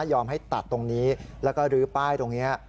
ให้ตัดตรงนี้แล้วก็ลื้อป้ายตรงนี้